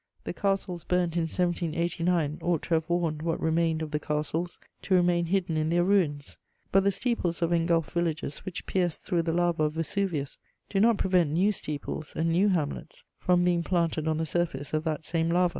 The castles burnt in 1789 ought to have warned what remained of the castles to remain hidden in their ruins: but the steeples of engulfed villages which pierce through the lava of Vesuvius do not prevent new steeples and new hamlets from being planted on the surface of that same lava.